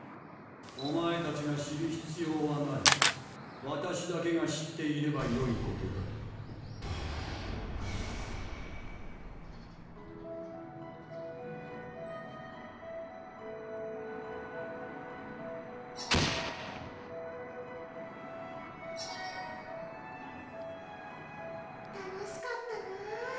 お前たちが知る必要はないわたしだけが知っていればよいことだ楽しかったなぁ